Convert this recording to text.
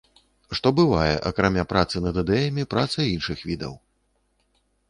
Што бывае, акрамя працы над ідэямі, праца іншых відаў.